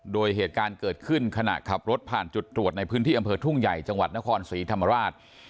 โดยเหตุการณ์เกิดขึ้นขณะขับรถผ่านจุดตรวจในพื้นที่อำเภอทุ่งใหญ่จังหวัดนครศรีธรรมราช